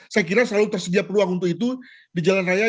saya kira selalu tersedia peluang untuk itu di jalan raya